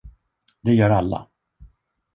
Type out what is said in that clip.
Det gör alla.